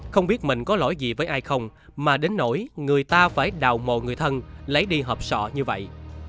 không biết mình có lỗi gì với ai không mà đến nổi người ta phải đào mồ người thân lấy đi hợp sọ như vậy